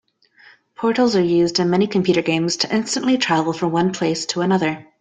Portals are used in many computer games to instantly travel from one place to another.